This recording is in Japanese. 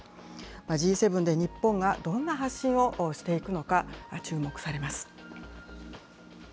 Ｇ７で日本がどんな発信をしていくのか、注目されます。